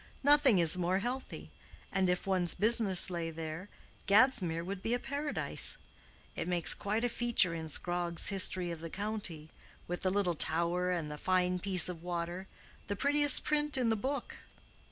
"Nothing is more healthy. And if one's business lay there, Gadsmere would be a paradise. It makes quite a feature in Scrogg's history of the county, with the little tower and the fine piece of water—the prettiest print in the book."